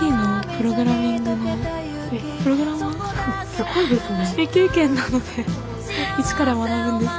すごいですね。